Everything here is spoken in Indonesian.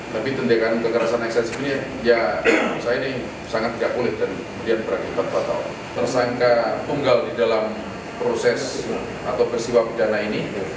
tapi tindakan kekerasan eksensif ini ya saya ini sangat tidak boleh dan berakibat atau tersangka tunggal di dalam proses atau peristiwa pidana ini